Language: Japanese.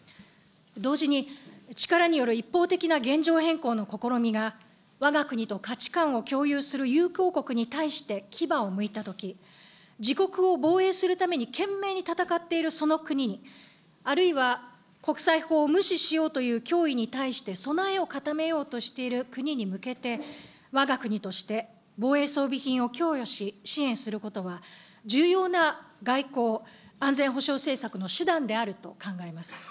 同時に、力による一方的な現状変更の試みが、わが国と価値観を共有する友好国に対して牙をむいたとき、自国を防衛するために懸命に戦っているその国に、あるいは国際法を無視しようという脅威に対して備えを固めようとしている国に向けて、わが国として、防衛装備品を供与し、支援することは、重要な外交・安全保障政策の手段であると考えます。